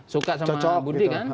suka sama budi kan